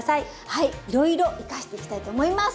はいいろいろ生かしていきたいと思います。